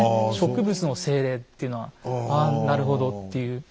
植物の精霊っていうのはああなるほどっていう。